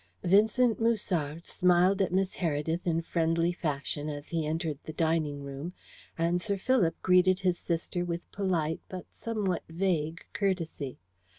Vincent Musard smiled at Miss Heredith in friendly fashion as he entered the dining room, and Sir Philip greeted his sister with polite, but somewhat vague courtesy.